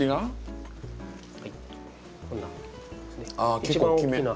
あ結構大きめな。